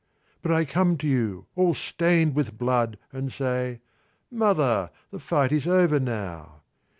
But I come to you all stained with blood, and say, "Mother, the fight is over now."